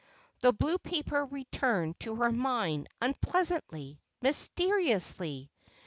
The blue paper returned to her mind, unpleasantly, mysteriously.